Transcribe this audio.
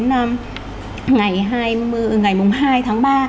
ngày hai tháng ba